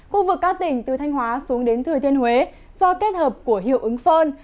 khu vực các tỉnh từ thanh hóa xuống đến thừa thiên huế do kết hợp của hiệu ứng phơn